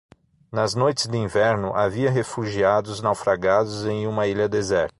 Nas noites de inverno, havia refugiados naufragados em uma ilha deserta.